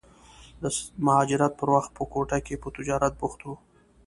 د مهاجرت پر وخت په کوټه کې په تجارت بوخت و.